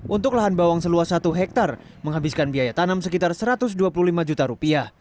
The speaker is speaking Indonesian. untuk lahan bawang seluas satu hektare menghabiskan biaya tanam sekitar rp satu ratus dua puluh lima juta